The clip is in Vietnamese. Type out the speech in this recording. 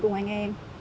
cùng anh em